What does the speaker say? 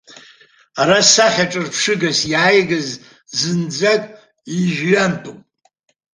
Ара сахьаҿырԥшыгас иааигаз зынӡак ижәҩантәуп.